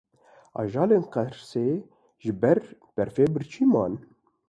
Ajelên Qersê ji ber berfê birçî man.